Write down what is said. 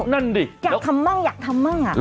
นั่นดิอยากทำบ้างอยากทำบ้างอะอ่ะแล้ว